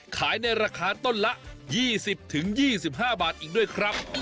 ขายในราคาต้นละ๒๐๒๕บาทอีกด้วยครับ